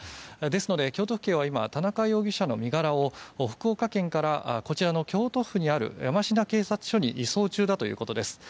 ですので、京都府警は今田中容疑者の身柄を福岡県から京都府にある山科警察署に移送中だということです。